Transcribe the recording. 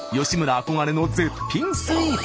憧れの絶品スイーツ。